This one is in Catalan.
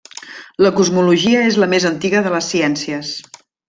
La cosmologia és la més antiga de les ciències.